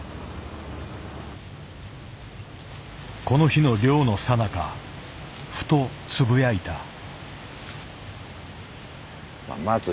この日の猟のさなかふとつぶやいた。